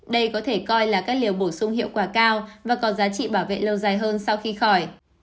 đây có thể coi là các liều bổ sung hiệu quả cao và có giá trị bảo vệ lâu dài hơn sau khi khỏi